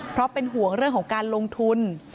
เพราะเป็นห่วงเรื่องของการลงทุน